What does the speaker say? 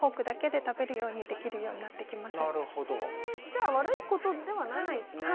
じゃあ悪いことではないんですね。